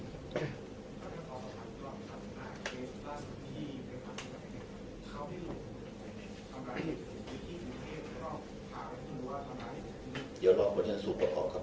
เดี๋ยวรอผู้เชี่ยงสูภาพค่ะผู้เชี่ยงสูภาพ